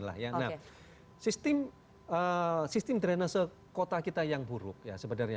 nah sistem drainase kota kita yang buruk ya sebenarnya